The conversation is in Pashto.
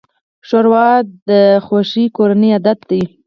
ښوروا د خوږې کورنۍ عادت ده.